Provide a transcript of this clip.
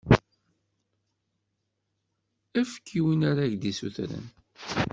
Efk i win ara k-d-issutren.